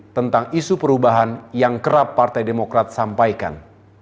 tentang isu perubahan yang kerap partai demokrat sampaikan